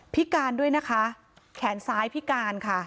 พิการด้วยนะคะแขนซ้ายพิการค่ะ